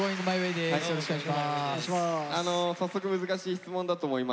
早速難しい質問だと思いますが。